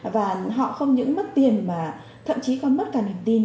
và họ không những mất tiền mà thậm chí có mất cả niềm tin